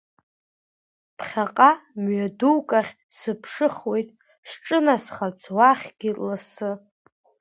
Ԥхьаҟа, мҩа дук ахь, сыԥшыхуеит, сҿынасхарц уахьгьы лассы.